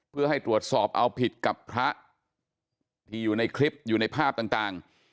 เพื่อให้ตรวจสอบเอาผิดกับพระที่อยู่ในคลิปอยู่ในภาพต่าง